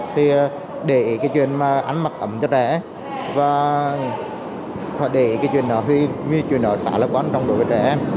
thì để cái chuyện mà ăn mặc ấm cho trẻ và để cái chuyện đó thì vì chuyện đó khá là quan trọng đối với trẻ em